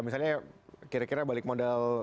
misalnya kira kira balik modal